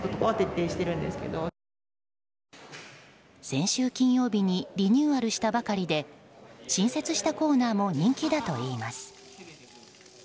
先週金曜日にリニューアルしたばかりで新設したコーナーも人気だといいます。